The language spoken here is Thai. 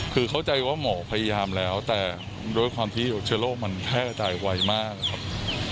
คือเข้าใจว่าหมอพยายามแล้วแต่ด้วยความที่เชื้อโรคมันแพร่กระจายไวมากครับ